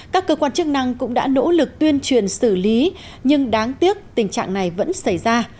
các cơ quan chức năng cũng đã nỗ lực tuyên truyền xử lý nhưng đáng tiếc tình trạng này vẫn xảy ra